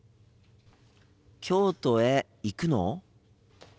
京都へ行くの？